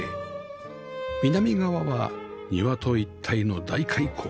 南側は庭と一体の大開口